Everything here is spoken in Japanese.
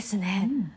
うん。